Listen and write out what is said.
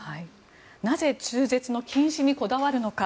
なぜ中絶の禁止にこだわるのか。